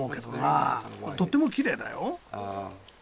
とってもきれいだよ。